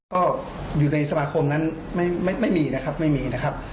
ก็อยู่ในสมาคมนั้นไม่มีนะครับไม่มีนะครับ